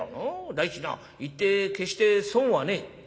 第一な行って決して損はねえ」。